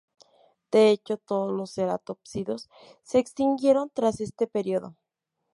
De hecho, todos los ceratópsidos se extinguieron tras este periodo.